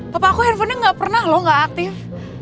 papa aku handphonenya nggak pernah lho nggak aktif